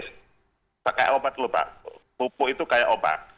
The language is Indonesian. seperti obat lupa pupuk itu seperti obat